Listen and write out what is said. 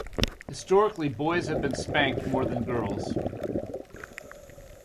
Historically, boys have been spanked more than girls.